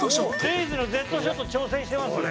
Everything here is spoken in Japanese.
「レイズのＺショット挑戦してますよ」